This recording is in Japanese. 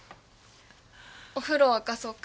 お風呂沸かそうか。